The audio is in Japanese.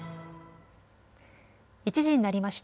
１時になりました。